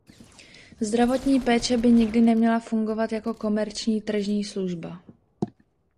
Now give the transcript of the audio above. Zdravotní péče by nikdy neměla fungovat jako komerční tržní služba.